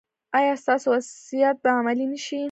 ایا ستاسو وصیت به عملي نه شي؟